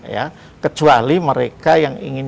ya kecuali mereka yang ingin